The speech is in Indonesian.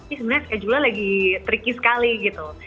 ini sebenarnya schedule lagi tricky sekali gitu